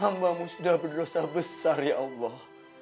hambamu sudah berdosa besar ya allah